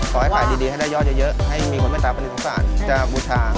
ขอให้ขายดีให้ได้ยอดเยอะให้มีคนเมตตาประณสงสารจะบูชา